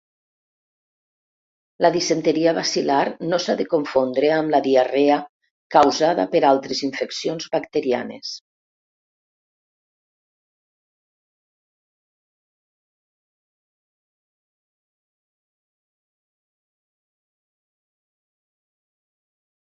La disenteria bacil·lar no s'ha de confondre amb la diarrea causada per altres infeccions bacterianes.